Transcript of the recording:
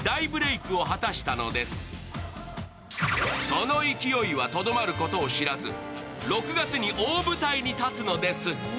その勢いはとどまることを知らず、６月に大舞台に立つのです。